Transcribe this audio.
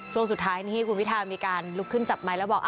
ช่วงสุดท้ายนี่คุณพิทามีการลุกขึ้นจับไมค์แล้วบอก